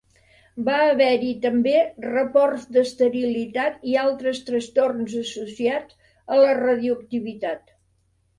Va haver-hi també reports d'esterilitat i altres trastorns associats a la radioactivitat.